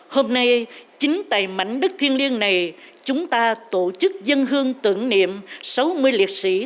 hôm nay chính tại mảnh đất thiên liêng này chúng ta tổ chức dân hương tưởng niệm sáu mươi liệt sĩ